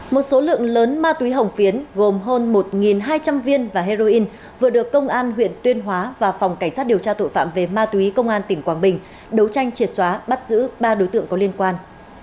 một số lượng lớn ma túy hồng phiến gồm hơn một hai trăm linh viên và heroin vừa được công an huyện tuyên hóa và phòng cảnh sát điều tra tội phạm về ma túy công an tỉnh quảng bình đấu tranh triệt xóa bắt giữ ba đối tượng có liên quan